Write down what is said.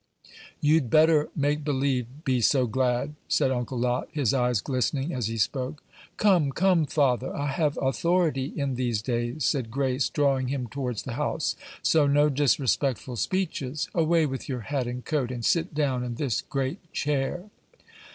"You'd better make believe be so glad," said Uncle Lot, his eyes glistening as he spoke. "Come, come, father, I have authority in these days," said Grace, drawing him towards the house; "so no disrespectful speeches; away with your hat and coat, and sit down in this great chair."